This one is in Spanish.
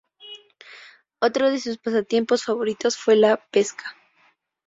Otro de sus pasatiempos favoritos fue la pesca.